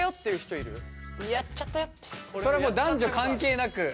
それはもう男女関係なく。